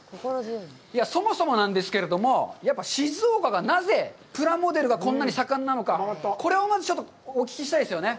そもそもなんですけれども、やっぱ静岡がなぜ、プラモデルがこんなに盛んなのか、これをまずちょっとお聞きしたいですよね。